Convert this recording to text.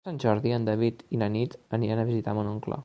Per Sant Jordi en David i na Nit aniran a visitar mon oncle.